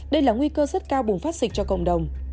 đây là nguy cơ rất cao bùng phát dịch cho cộng đồng